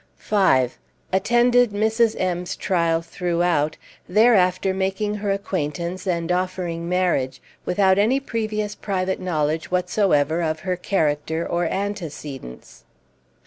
5. Attended Mrs. M.'s trial throughout, thereafter making her acquaintance and offering marriage without any previous private knowledge whatsoever of her character or antecedents.